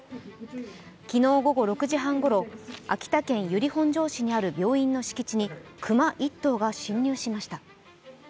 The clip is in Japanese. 昨日午後６時半ごろ、秋田県由利本荘市にある病院の敷地に熊１頭が侵入しました。